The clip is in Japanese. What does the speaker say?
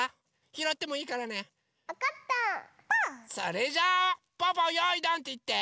それじゃぽぅぽ「よいどん」っていって。